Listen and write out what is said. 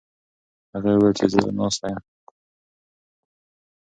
هغې وویل چې زه ناسته یم.